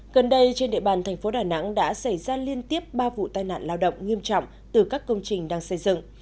gần đây trên địa bàn thành phố đà nẵng đã xảy ra liên tiếp ba vụ tai nạn lao động nghiêm trọng từ các công trình đang xây dựng